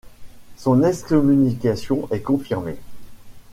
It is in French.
Son excommunication est confirmée.